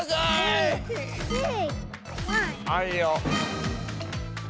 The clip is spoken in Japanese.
はいよ。